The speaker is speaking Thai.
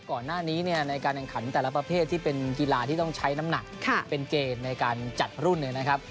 ก่อนหน้านี้เนี่ยในการแข่งขันแต่ละประเภทที่เป็นกีฬาที่ต้องใช้น้ำหนักเป็นเกณฑ์ในการจัดรุ่นเนี่ยนะครับ